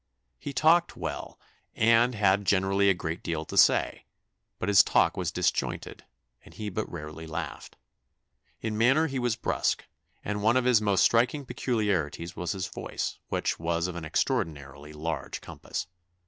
He talked well, and had generally a great deal to say; but his talk was disjointed, and he but rarely laughed. In manner he was brusque, and one of his most striking peculiarities was his voice, which was of an extraordinarily large compass."